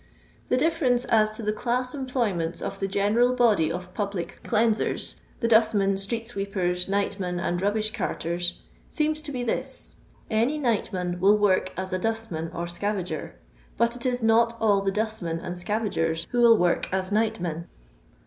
The diffsrence as to the chiss employments of the general body of public cleansers — the dust men, street sweepers, nightmen, and rubbish carters — seems to be this: — any nightman will work as a dnstman or scavager ; but it is not all the dmttmai and scavagers who will work as nightmen.